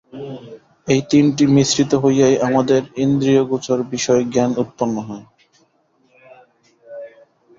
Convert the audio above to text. এই তিনটি মিশ্রিত হইয়াই আমাদের ইন্দ্রিয়গোচর বিষয় জ্ঞান উৎপন্ন হয়।